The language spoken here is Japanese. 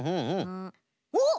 おっ！